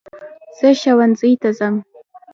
زہ ښوونځي ته ځم